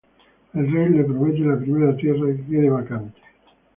El rey le promete la primera tierra que quede vacante.